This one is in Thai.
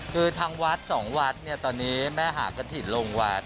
คือทางวัดสองวัดตอนนี้แม่หากฐิรงค์วัด